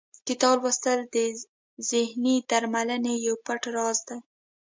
کتاب لوستل د ذهني درملنې یو پټ راز دی.